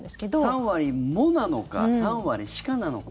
３割もなのか３割しかなのか。